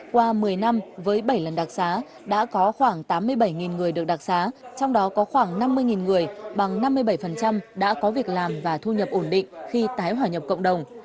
qua một mươi năm với bảy lần đặc xá đã có khoảng tám mươi bảy người được đặc xá trong đó có khoảng năm mươi người bằng năm mươi bảy đã có việc làm và thu nhập ổn định khi tái hòa nhập cộng đồng